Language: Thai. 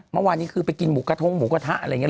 เมื่อวานนี้คือไปกินหมูกระทงหมูกระทะอะไรอย่างนี้